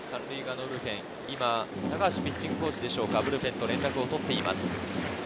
高橋ピッチングコーチでしょうか、ブルペンと連絡を取っています。